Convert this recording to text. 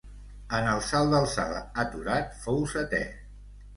En el salt d'alçada aturat fou setè.